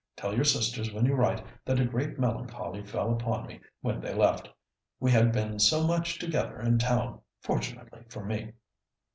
Tell your sisters when you write that a great melancholy fell upon me when they left. We had been so much together in town, fortunately for me."